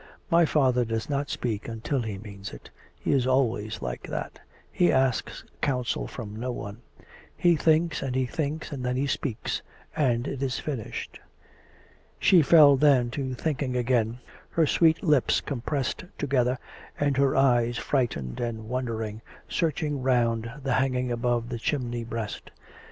''"" My father does not speak until he means it. He is al ways like that. He asks counsel from no one. He thinks and he thinks, and then he speaks; and it is finished." She fell then to thinking again, her sweet lips compressed together, and her eyes frightened and wondering, searching round the hanging above the chimney breast.